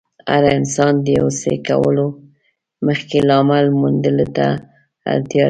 هر انسان د يو څه کولو مخکې د لامل موندلو ته اړتیا لري.